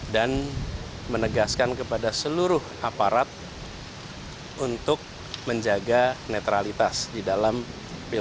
dan menegaskan kepada seluruh aparat untuk menjaga netralitas di dalam negara